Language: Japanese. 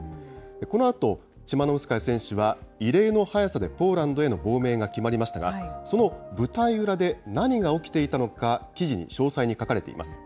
このあとチマノウスカヤ選手は、異例の早さでポーランドへの亡命が決まりましたが、その舞台裏で何が起きていたのか、記事に詳細に書かれています。